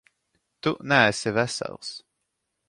Tu neesi vesels.